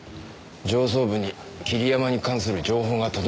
上層部に桐山に関する情報が届いたらしい。